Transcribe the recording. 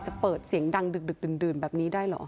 จะเปิดเสียงดังดึกดื่นแบบนี้ได้เหรอ